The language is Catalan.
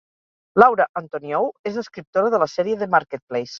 Laura Antoniou és escriptora de la sèrie "The Marketplace"